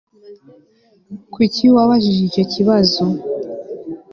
Kuki wabajije icyo kibazo